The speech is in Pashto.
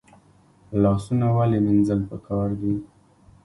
لاسونه ولې مینځل پکار دي؟